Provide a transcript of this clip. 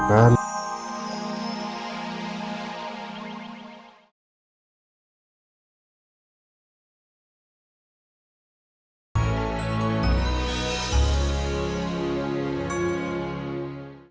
inilah chapter enam